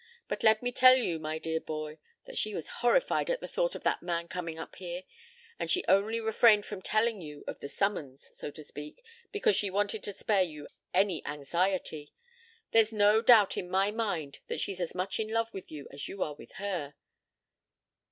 But let me tell you, my dear boy, that she was horrified at the thought of that man coming up here, and she only refrained from telling you of the summons, so to speak, because she wanted to spare you any anxiety. There's no doubt in my mind that she's as much in love with you as you are with her.